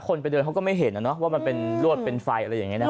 ไปเดินเขาก็ไม่เห็นนะว่ามันเป็นรวดเป็นไฟอะไรอย่างนี้นะครับ